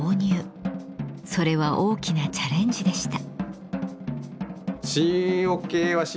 それは大きなチャレンジでした。